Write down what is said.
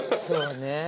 そうね。